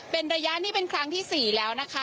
เป็นระยะนี่เป็นครั้งที่๔แล้วนะคะ